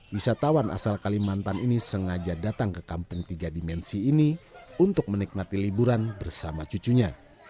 wisatawan asal kalimantan ini sengaja datang ke kampung tiga dimensi ini untuk menikmati liburan bersama cucunya